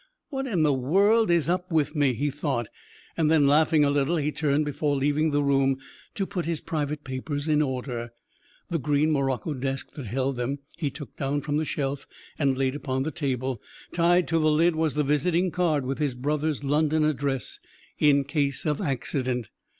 "What in the world is up with me?" he thought. Then, laughing a little, he turned before leaving the room to put his private papers in order. The green morocco desk that held them he took down from the shelf and laid upon the table. Tied to the lid was the visiting card with his brother's London address "in case of accident."